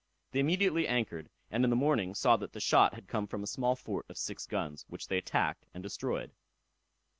They immediately anchored, and in the morning saw that the shot had come from a small fort of six guns, which they attacked and destroyed.